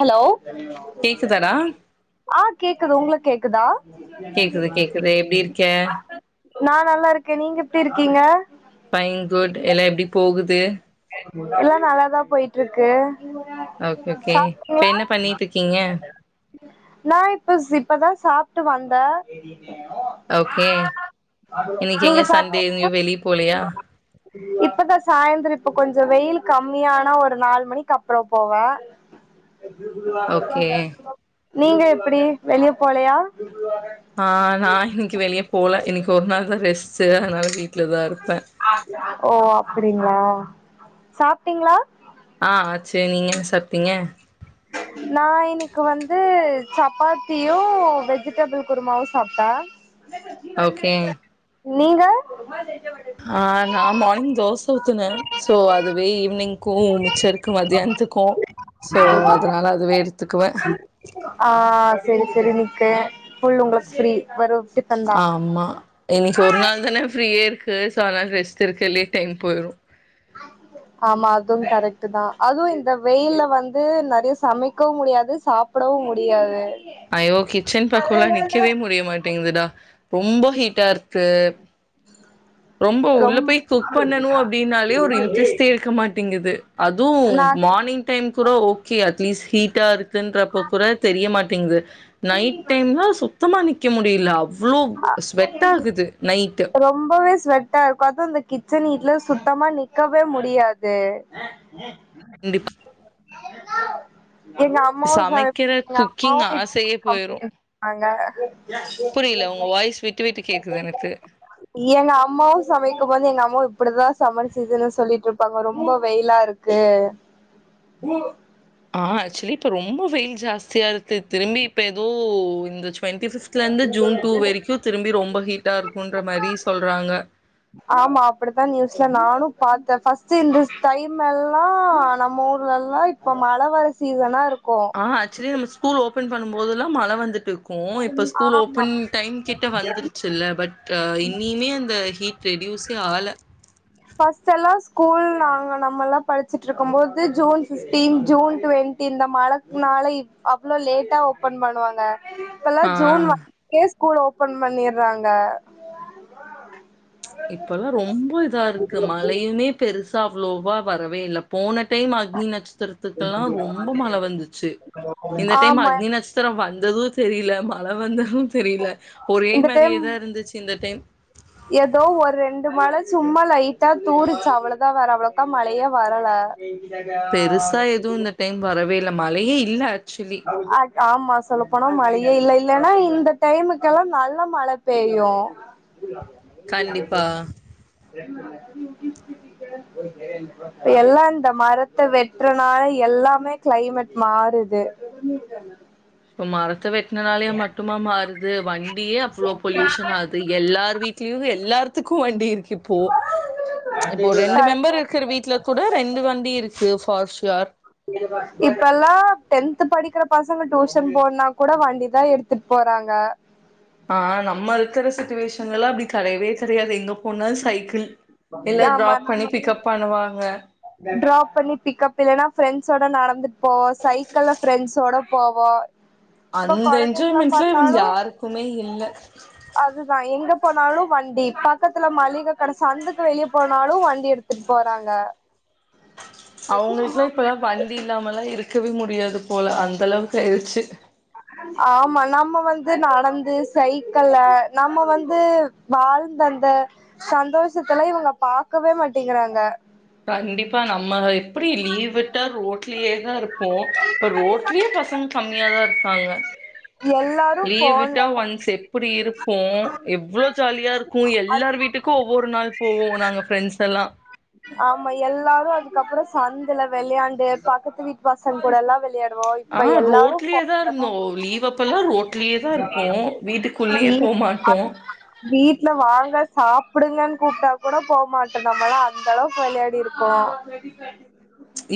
Hello கேக்குதாடா ஆ கேக்குது உங்கள் கேக்குதா கேக்குது கேக்குது எப்டி இருக்க நா நல்லா இருக்கே நீங்க எப்டி இருக்கீங்க பைன் குட் எல்லா எப்படி போகுது எல்லா நல்லாதா போய்ட்டு இருக்கு ஓகே ஓகே இப்ப சாப்ட்டீங்களா என்ன பண்ணிட்டு இருக்கீங்க நா இப்பஸ் இப்பதா சாப்ட்டு வந்தே ஓகே இன்னைக்கி நீங்க எங்க சண்டே சாப்ட் எங்கியு வெளிய போலையா இப்பதா சாயந்தர இப்ப கொஞ்சோ வெய்யிலு கம்மியானா ஒரு நாலு மணிக்கு அப் அப்பறோ போவே ஓகே நீங்க எப்டி வெளிய போலையா ஆ நா இன்னைக்கு வெளிய போல இன்னைக்கு ஒரு நாள் தா ரெஸ்ட்டு அதனால வீட்டுல தா இருப்பே ஓ அப்படிங்களா சாப்ட்டீங்களா ஆ ஆட்சு நீங்க என்ன சாப்ட்டீங்க நா இன்னைக்கு வந்து சப்பாத்தியும் வெஜிடபிள் குருமாவும் சாப்பிட்டே ஓகே நீங்க ஆ நா மார்னிங் தோச வுத்துனே சோ அதுவே ஈவ்னிங் கும் மிச்ச இருக்கு மதியானத்துக்கு ஸோ அதனால அதுவே எடுத்துக்குவே ஆ செரி செரி நீக்கு ஃபுல் உங்களுக் ஃப்ரி [unintelligible] ஆமா இன்னைக்கு ஒரு நாள் தானே ஃப்ரீயே இருக்கு சோ அதனால ரெஸ்ட் இருக்குலல்லையே டைம் போய்ரு ஆமா அதுவும் கரெக்ட் தா அதுவும் இந்த வெயில வந்து நெறயா சமைக்கவும் முடியாது சாப் சாப்டவு முடியாது ஐயோ கிச்சன் பக்கோல்லா நிக்கவே முடியமாட்டேங்குதுடா ரொம்ப ஹீட்டா இருக்கு ரொம்ப உள்ள ரொம் போய் குக் பண்ணணு அப்டின்னாலே ஒரு இன்ட்ரெஸ்டே இருக்க மாட்டேங்கிது அதுவு நா மார்னிங் டைம் கூட ஓகே அட்லீஸ்ட் ஹீட்டா இருக்குன்றப்ப கூட தெரிய மாட்டேங்குது நைட் டைம்னா சுத்தமா நிக்க முடியல அவ் ஆ ரொம்பவே ஸ்வெட் ஹீட் ஆ இருக்கு அதுவு இந்த கிச்சன் ஹீட்டுல சுத்தமா நிக்கவே முடியாது கண்டிப்பா எங்க அம்மாவு சம சமைக்கிற எங்க குக்கிங் அம்மாவு ஆசையே போயிரும் கம்ப்ளீட் பண்ணாங்க இல்ல உங்க வாய்ஸ் விட்டு விட்டு கேக்குது எனக்கு எங்க அம்மாவு சமைக்கும்போது எங்க அம்மாவு இப்டிதா சம்மர் சீசன்ல சொல்லிட்டு இருப்பாங்க ரொம்ப வெயிலா இருக் கு ஆ ஆக்சுவலி இப்ப ரொம்ப வெயில் ஜாஸ்தியா இருக்கு திரும்பி இப்ப ஏதோ இந்த ட்வெண்ட்டி பிஃப்த்ல இருந்து ஜூன் டூ வரைக்கு திரும்பி ரொம்ப ஹீட்டா இருக்குன்ற மாரி சொல்றாங்க ஆமா அப்டித்தா நியூஸ்ல நானு பாத்தே ஃபர்ஸ்ட் இந்த டைம் எல்லா நம்ம ஊர்லல்லா இப் இப்ப மழ வர சீசனா இருக்கு ஆ ஆக்சுவலி நம்ம ஸ்கூல் ஓப்பன் பண்ணும் போதெல்லா மழ வந்துட்டு இருக் கும் இப்ப ஸ்கூல் ஆமா ஓப்பன் டைம் கிட்ட வந்துருச்சு இல்ல பட் இனிமே அந்த ஹீட் ரெடியூஸே ஆகல ஃபர்ஸ்ட் எல்லா ஸ்கூல் நாங்க நம்மல்லா படிச்சிட்டு இருக்கும் போது ஜூன் பிஃப்டீன் ஜூன் டுவென்த் இந்த மழக்குனால இப் அவ்வளோ லேட்டா ஓப்பன் பண்ணுவாங்க இப்பல்லா ஜூன் ஆ. ஒன்க்கே ஸ்கூல் ஓபன் பண்ணிர்றாங்க இப்பல்லா ரொம்ப இதா இருக்கு மழயுமே பெருசா அவ்வளோவா வரவே இல்ல போன டைம் அக்னி நட்சத்திரத்துக்குல்லா ரொம்ப மழ வந்துச்சி இந்த டைம் ஆமா அக்னி நட்சத் த்ரம் வந்ததும் தெரியல மழ வந்ததும் தெரியல ஒரே இந்த டைம் மாரியேதா இருந்துச்சு இந்த டைம் ஏதோ ஒரு ரெண்டு மழ சும்மா லைட்டா தூருச்சு அவ்ளதா வேற அவ்ளோக்கா மழயே வரல [inaudible] பெருசா எதுவு இந்த டைம் வரவே இல்ல மழையே இல்ல ஆக்சுவலி ஆ ஆமா சொல்ல போனா மழையே இல்ல இல்லைன்னா இந்த டைமுக்கெல்லா நல்லா மழ பேய்யும் [inaudible] கண்டிப்பா இப்ப எல்லா இந்த மரத்த வெட்றனால எல்லாமே கிளைமேட் மாறுது எடமே இதானா இப்போ மரத்த வெட்டினனாலயா மட்டுமா மாறுது வண்டியே அவ்வளோ பொல்யூஷன் ஆகுது எல்லார் வீட் கிளிகு எல்லார்த்துக்கு வண்டி இருக்கு இப்போ இப்போ ஒரு ரெண்டு மெம்பர் இருக்குற வீட்ல கூட ரெண்டு வண்டி இருக்கு ஃபார் ஷ்யூர் இப்பல்லா டென்த் படிக்கிற பசங்க டியூசன் போனுன்னா கூட வண்டிதா எடுத் இருந்துட்டு போறாங்க ஆ நம்ம இருக்குற சுட்டுவேஷன்லல்லா அப்டி கெடயவே கெடயாது எங்க போனா சைக்கிள் இல்ல ஆமா டிராப் பண்ணி நம்ம பிக்கப் பண்ணுவாங்க டிராப் பண்ணி பிக்கப் இல்லன்னா ஃப்ரெண்ட்ஸ்சோட நடந்துட்டு போவோம் சைக்கிள்ல ஃப்ரெண்ட்ஸ்சோட போவோ இப்ப அந்த கொழந்தைங்கள என்ஜாய்மெண்ட்ல இவுங்க பாத்தாலு யாருக்குமே இல்ல அதுதா எங்க போனாலு வண்டி பக்கத்து ல மளிக கட சந்துக்கு வெளியே போனாலும் வண்டி எடுத்துட்டு போறாங்க அவங்களுக்குல்லா இப்பலாம் வண்டி இல்லாமல்லா இருக்கவே முடியாது போல அந்த அளவுக்கு ஆயிடுச்சு [inaudible] ஆமா நம்ம வந்து நடந்து சைக்கில நம்ம வந்து வாழ்ந்தந்த சந்தோஷத்துல இவங்க பாக்கவே மாட்டேங்கிறாங்க கண்டிப்பா நம்ம எப்படி லீவு உட்டா ரோட்லியே தான் இருப்போ இப்ப ரோட்லியே பசங்க கம்மியா தா இருக்காங்க எல்லாரு லீவு போன்ல விட்டா ஒன்ஸ் அப்டி இருப்போ எவ்வளோ ஜாலியா இருக்கு எல்லார் வீட்டுக்கு ஒவ்வொரு நாள் போவோ நாங்க ஃப்ரெண்ட்ஸ் எல்லா ஆமா எல்லாரு அதுக்கப்றோ சந்துல விளையாண்டு பக்கத்து வீட்டு பசங் கூட எல்லா விளையாண்ட் ஆ ரோட்லயே தா இருந்தோ லீவப் இப்பல்லா ரோட்லயே தா இருப்போ வீட்டுக்குள்ளேயே போக வீட் மாட்டோ வீட்ல வாங்க சாப்புடுங்கன் கூப்ட்டா கூட போமாட்டோ நம்மளா அந்த அளவுக் விளையாடிரு ப்போ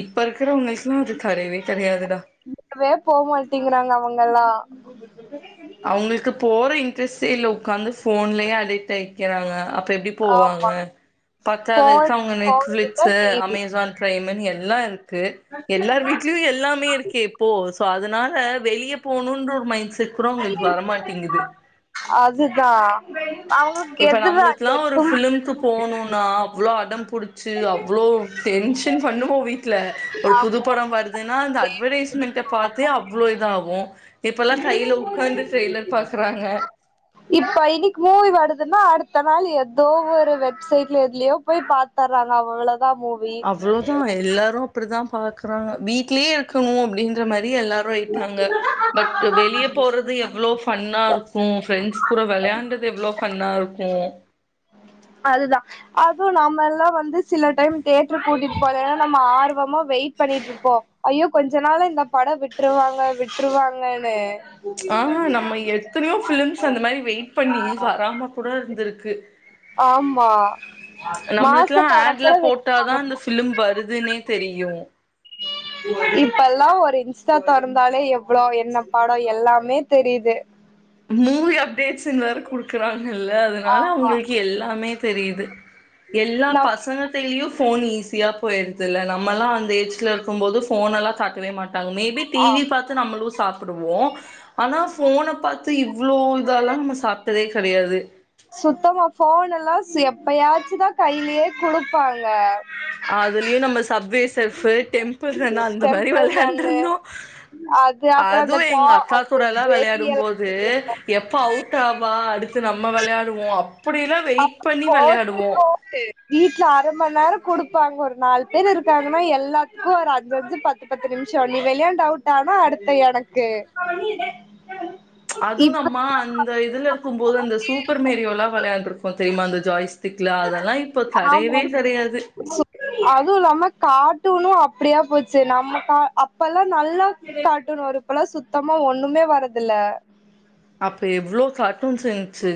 இப்ப இருக்கிற உங்களுக்கெல்லா அது கடையவே கிடையாதுடா இப்பவே போக மாட்டேங்கிறாங்க அவங்க எல்லா அவங்களுக்கு போற இன்ட்ரெஸ்ட்டே இல்ல உட்காந்து போன்லேயே அடிக்ட் ஆயி நிக்கறாங்க அப்ப எப்டி ஆமா போவாங்க பத்தாது ஃபோன் அவங்க நெட் ஃபோனு கிட்ட பிளிக்ஸு டி வி அமேசான் பிரைம்ன் எல்லா இருக்கே எல்லார் வீட்லயு எல்லாமே இருக்கே போ சோ அதனால வெளிய போணுன்ற ஒரு மைண்ட் செட் கூடு அவுங்களுக்கு வரமாட்டேங்குது அதுதா அவங்களுக்கு இப்ப எதுவா நம்மளுக்கெல்லா ஒரு எதும் பிலிம்கு போணும்னா அவ்வளோ அடம் புடிச் ச்சி அவ்ளோ டென்ஷன் பண்ணுவோ வீட்ல ஒரு புது ஆமா படோ வருதுன்னா அந்த அட்வர்டைஸ்மெண்ட் இத பார்த்தே அவ்ளோ இது ஆகு இப்ப எல்லா கையில உட்கார்ந்து ட்ரெய்லர் பாக்குறாங்க இப்ப இன்னைக்கு மூவி வருதுன்னா அடுத்த நாள் ஏதோ ஒரு வெப்சைட்ல எதுலயோ போய் பார்த்து தருவாங்க அவ் அவ்வளதான் மூண் அவ்ளோதா எல்லாரு அப்டிதா பாக்குறாங்க வீட்லயே இருக்கணு அப்டின்ற மாரி எல்லாரு போயிட்டாங்க பட் வெளிய போறது எவ்ளோ ஃபன்னா இருக் உ ஃப்ரெண்ட்ஸ் கூட விளையான்டது எவ்ளோ ஃபன்னா இருக்கு அதுதா அதுவு நாம எல்லா வந்து சில டைம் தேட்டர்க்கு கூட்டிட்டு போகனா நம்ம ஆர்வமா வெயிட் பண்ணிட்டுருப்போ ஐயோ கொஞ்ச நாளா இந்த படோ விட்ருவாங்க விட்ருவாங்கன்னு ஆ ஹா நம்ம எத்தனையோ பிலிம்ஸ் அந்த மாதிரி வெயிட் பண்ணி வராம கூட இருந்திருக்கு ஆமா மாச நம்மளுக்கெல்லா ஆட்ல கணக்குல போட்டாதா அந்த பிலிம் வருது அதுனே தெரியு இப்பெல்லா ஒரு இன்ஸ்டா தொறந்தாலே எவ்ளோ என்ன பாடோ எல்லாமே தெரியுது மூவி அப்டேட்ஸ்ன்னு வேற குடுக்குறாங்கல்ல அதனால ஆமா அவுங்களுக்கு எல்லாமே தெரியுது எல்லா நம் பசங்க இப்பலயு ஃபோன் ஈஸியாக போயிடுறதுல்ல நம்மல்லா அந்த ஏஜ்ல இருக்கும்போது ஃபோன எல்லா காட்டவே மாட்டாங்க மேபி ஆ டிவி பார்த்து நம்மளு சாப்பிடுவோ ஆனா போன பாத்து இவ்ளோ இதெல்லா நம்ம சாப்பிட்டதே கிடையாது சுத்தமா போன் எல்லா எப்பயாச்சுதா கையிலயே குடுப்பாங்க அதுலயும் நம்ம சப்வே செர்ஃப் டெம்பிள் ரன் அந்த மாதிரி டெம்பிள் ரன்னு விளையாண்ட்ருந்தோ அது அப்புறோ அந்த அதும் டா எங்க அக்கா அந்த கூட எல்லா வெறி விளையாடும் எல்லா போது இது எப்ப அவுட் ஆவா அடுத்து நம்ம விளையாடுவோ அப் அப்டி போட்டி போட்டு வீட்ல அரை மணி நேரோ கொடுப்பாங்க ஒரு நாலு பேர் இருக்காங்கன்னா எல்லாத்துக்கு ஒரு அஞ்சஞ்சு பத்து பத்து நிம்ஷோ நீ வெளயாண்டு அவுட் ஆனா அடுத்த எனக்கு அதுவு நம்மா இப்ப அந்த இதுல இருக்கும்போது அந்த சூப்பர் மேரியோல்லா வெளயாண்டுரு அப்போ தெரியுமா அந்த ஜாய்ஸ்டிக்லா அதெல்லாம் இப்ப கடயவே ஆமாமா கடயாது அதுவு இல்லாம கார்ட்டூனு அப்டியா போச்சு நம்ம கா அப்பல்லா நல்லா கார்ட்டூன் வரு இப்பலா சுத்தமா ஒண்ணுமே வரதுல்ல அப்போ எவ்ளோ கார்ட்டூன்ஸ் இருந்துச்சு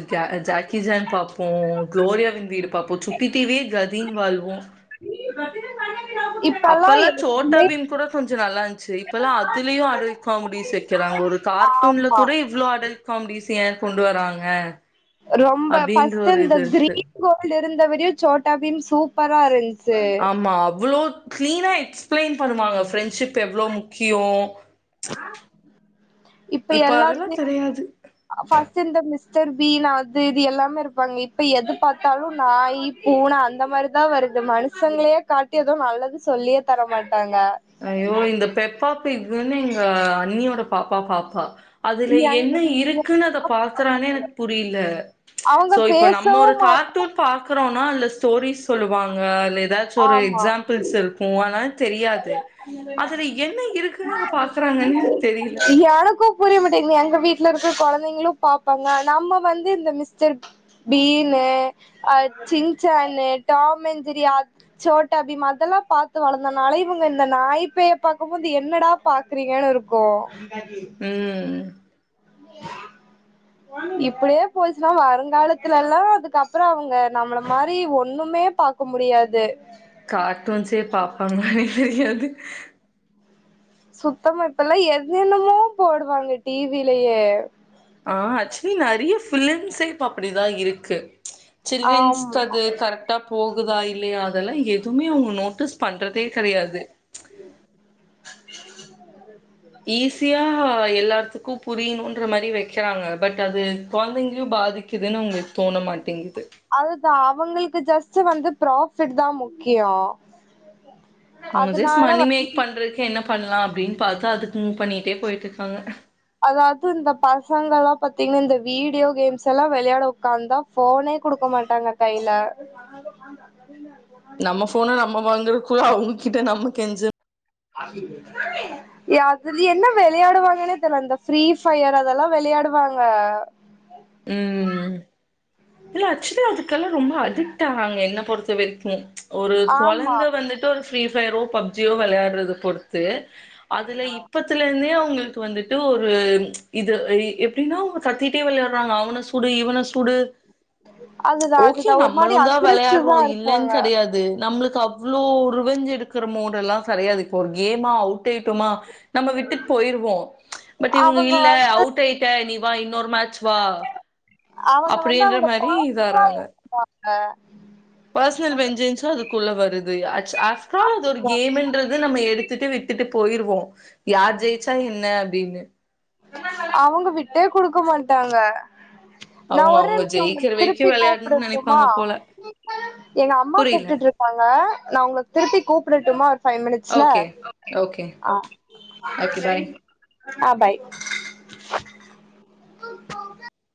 ஜாக்கி ஜான் பாப்போம் க்ளோரியா வின் வீடு பாப்போ சுட்டி டிவி யே கதின் வாழ்வோ [unintelligible] அப்பல்லா எதுமே சோட்டாபீம் கூட கொஞ்சம் நல்லா இருந்துச்சு இப்பல்லா அதுலயும் அடல்ட் காமெடிஸ் வெக்கறாங்க ஒரு கார் இத்துன்ல ஆமா கூட இவ்ளோ அடல்ட் காமெடிஸ் ஏன் கொண்டு வராங்க ரொம்ப அப்டின்ற ஃபர்ஸ்ட்டு ஒரு இந்த இது இருக்கு கிரீன் கோல்டு இருந்தவரையும் சோட்டா பீம் சூப்பரா இருந்துச்சி ஆமா அவ்ளோ கிளீனா எக்ஸ்பிளைன் பண்ணுவாங்க ஃப்ரெண்ட்ஷிப் எவ்ளோ முக்கியோ இப்ப அதெல்லா கெடயாது ஃபர்ஸ்ட்டு இந்த மிஸ்டர் பீன் அது இது எல்லாமே இருப்பாங்க இப்ப எது பாத்தாலும் நாயி பூன அந்த மாரிதா வருது மனுஷங்ளே காட்டி எது நல்லது சொல்லியே தரமாட்டாங்க ஐய்யோ இந்த பெப்பா பிக்குன்னு எங்க அண்ணியோட பாப்பா பாப்பா அதுல யங் என்ன இருக்குன் அத பாக்குறானே எனக்கு புரியில அவங்க சோ இப்ப நம்ம பேசவு ஒரு மாட்ட கார்ட்டூன் பாக்குறானா அதுல ஸ்டோரிஸ் சொல்லுவாங்க இல்ல எதாச்சும் ஒரு ஆமா எக்ஸாம்பிள்ஸ் இருக்கும் ஆனா தெரியாது அதுல என்ன இருக்குன்னு அத பாக்குறாங்கன்னு எனக்கு தெரியல. எனக்கு புரிய மாட்டீங்குது எங்க வீட்ல இருக்க கொழந்தைங்களும் பாப்பாங்க நம்ம வந்து இந்த மிஸ்டர் பீமு அ சின்சான்னு டாமெஞ்சிரி அத் சோட்டா பீம் அதெல்லா பாத்து வளந்தன் னால இவுங்க இந்த நாய்ப்பேய பாக்கும்போது என்னடா பாக்குறீங்கன் இருக்கு ம் [inaudible] இப்படியே போச்சுன்னா வருங்காலத்துல எல்லா அதுக்கப்புறோ அவங்க நம்மள மாரி ஒண்ணுமே பாக் க்கு முடியாது கார்ட்டூன்ஸே பாப்பாங்களானே தெரியாது சுத்தமா இப்பெல்லா என்னென்னமோ போட்றாங்க டி விலயே ஆ ஆக்சுவ்லி நெறயா ஃபிலிம்ஸே இப்ப அப்டிதா இருக்கு சில்ட்ரன்ஸ்க்கு ஆமாமா அது கரெக் ட்டா போகுதா இல்லயா அதெல்லாம் எதுவுமே அவங்க நோட்டீஸ் பண்றதே கெடயாது உ ஈஸியா எல்லாத்துக்கும் புரியுன்ற மாரி வெக் வக்கிறாங்க பட் அது கொழந்தைங்களையும் பாதிக்குதுன்னு உங்ளுக் தோண மாட்டேங்குது அதுதா அவங்களுக்கு ஜஸ்ட்டு வந்து ப்ராஃபிட் தா முக்கியம் அவங்க ஜஸ்ட் மணி வந்து மேக் பண்றக்கு என்ன பண்லா அப்டின் பாத்து அதுக்கு மூவ் பண்ணிட்டே போயிட்டு இருக்காங்க அதாவ்து இந்த பசங்கலா பாத்தீங்கன்னா இந்த வீடியோ கேம்ஸ்ஸெல்லா வெளயாட உக்காந்தா ஃபோனே குடுக்க மாட்டாங்க கைல ஆ நம்ம ஃபோன நம்ம வாங்கறக்குள்ள அவங்ககிட்ட நம்ம கெஞ்ச ஆ யா அதுல என்ன வெளயாடுவாங்கன்னே தெர்ல அந்த ஃப்ரீஃபயர் அதெல்லா வெளயாடுவாங்க ம் இல்ல அக்சுவ்லி அதுக்கெல்லாம் ரொம்ப அடிக்ட் ஆவாங்க என்ன பொறுத்த வரைக்கும் ஒரு ஆமா கொழந்த வந்துட் ஒர் ஃப்ரி ஃபயரோ பப்ஜியோ வெளயாட்றது பொறுத்து அதுல இப்ப த்துல இருந்தே அவங்களுக்கு வந்துட்டு ஒரு இது எப்டின்னா ஒர் கத்திட்டே வெள்யாட்றாங்க அவன சுடு இவன சுடு அது ஓகே நம்மளுதா விளையாடுறோ இல்லைன்னு கெடையாது நம்மளுக்கு அவ் இவ்ளோ ரிவெஞ்ச் எடுக்கிற மூட்டெல்லா சரியாது இப்போ ஒரு கேமா அவுட் ஆய்டமா நம்ம விட்டுட் போயிருவோ பட் இவ்ங்க அவங்க இல்ல வந் அவுட் ஆயிட்ட நீ வா இன்னொரு மேட்ச் வா அவங்க வந்து அவுங்க நெய் தாராங்க அ பெர்ஸ்னல் வெஞ்சன்ஸு அதுக்குள்ள வருது அட் ஆஃப்ட்ரால் அது ஒரு கேமுன்றது நம்ம எடுத்துட்டு விட்டுட்டு போயிருவோ யார் ஜெயிச்சா என்ன அப்டின்னு அவுங்க விட்டே குடுக்க மாட்டாங்க நா அவங்க ஒரே அவங்க நிம்ஷ ஜெயிக்கிற உங்களுக்கு வரைக்கு திருப்பி வெளையாடணும்னு கூப்டட்டுமா நெனைப்பாங்க போல எங்க அம்மா புரியல கூப்ட்டுட்ருக் காங்க நா உங்களுக்கு திருப்பி கூப்டட்டுமா ஒரு ஃபைவ் மினிட்ஸ்ல ஓகே ஓகே ஆ ஓகே பாய் ஆ பாய்